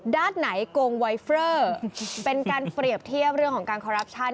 ไหนโกงไวเฟรอเป็นการเปรียบเทียบเรื่องของการคอรัปชั่น